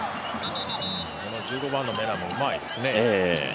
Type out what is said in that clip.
１５番のメナもうまいですね。